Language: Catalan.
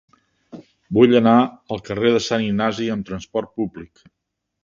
Vull anar al carrer de Sant Ignasi amb trasport públic.